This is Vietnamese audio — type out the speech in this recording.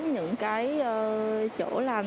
những cái chỗ làm